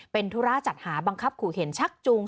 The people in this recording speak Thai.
เป็นธุระจัดหาบังคับขู่เห็นชักจูง